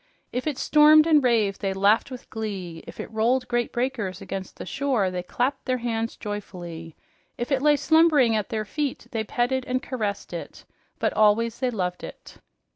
If it stormed and raved, they laughed with glee; if it rolled great breakers against the shore, they clapped their hands joyfully; if it lay slumbering at their feet, they petted and caressed it, but always they loved it.